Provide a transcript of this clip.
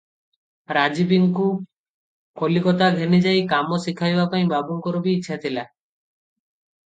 ରାଜୀବକୁ କଲିକତା ଘେନିଯାଇ କାମ ଶିଖାଇବାପାଇଁ ବାବୁଙ୍କର ବି ଇଚ୍ଛା ଥିଲା |